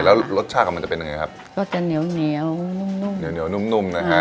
แล้วรสชาติของมันจะเป็นยังไงครับก็จะเหนียวเหนียวนุ่มนุ่มเหนียวเหนียวนุ่มนุ่มนะฮะ